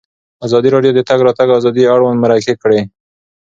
ازادي راډیو د د تګ راتګ ازادي اړوند مرکې کړي.